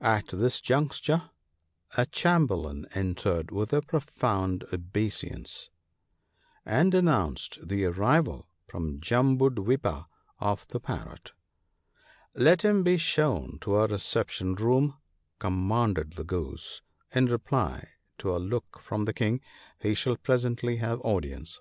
At this juncture a chamberlain entered with a profound obeisance, and announced the arrival from Jambudwipa of the Parrot. " Let him be shown to a reception room," commanded the Goose, in reply to a look from the King. " He shall presently have audience."